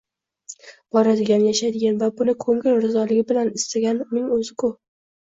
Boradigan, yashaydigan va buni ko'ngil rizoligi bilan istagan uning o'zi-ku.